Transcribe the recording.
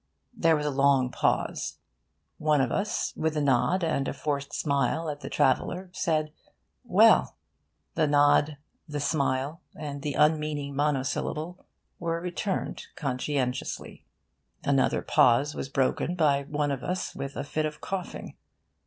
There was a long pause. One of us, with a nod and a forced smile at the traveller, said 'Well!' The nod, the smile, and the unmeaning monosyllable, were returned conscientiously. Another pause was broken by one of us with a fit of coughing.